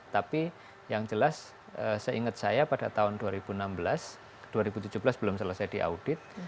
tapi yang jelas seingat saya pada tahun dua ribu enam belas dua ribu tujuh belas belum selesai diaudit